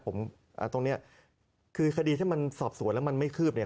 ผมตรงนี้คือคดีถ้ามันสอบสวนแล้วมันไม่คืบเนี่ย